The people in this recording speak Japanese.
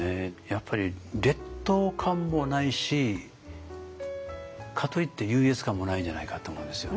やっぱり劣等感もないしかといって優越感もないんじゃないかって思うんですよね。